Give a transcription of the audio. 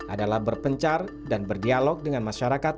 adalah berpencar dan berdialog dengan masyarakat